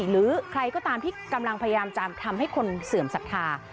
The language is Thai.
หรือใครก็ตามที่กำลังพยายามจะทำให้คนเสื่อมศรัทธา